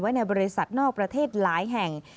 ในบริษัทนอกประเทศหลายแห่ง